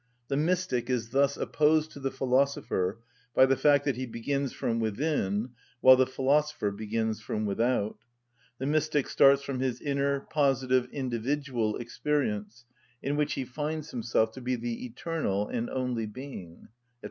The mystic is thus opposed to the philosopher by the fact that he begins from within, while the philosopher begins from without. The mystic starts from his inner, positive, individual experience, in which he finds himself to be the eternal and only being, &c.